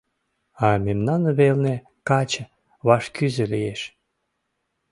— А мемнан велне «каче» вашкӱзӧ лиеш.